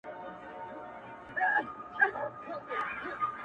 o راست اوسه، ناست اوسه!